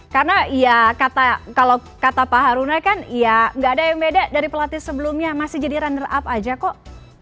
karena ya kalau kata pak haruna kan ya enggak ada yang beda dari pelatih sebelumnya masih jadi render up aja kok